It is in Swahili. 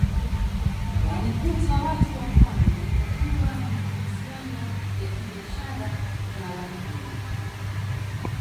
Walikuta Watu wa Pwani wakiwa na mahusiano ya kibiashara na Wadigo